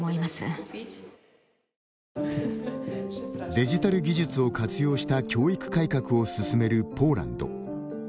デジタル技術を活用した教育開発を進めるポーランド。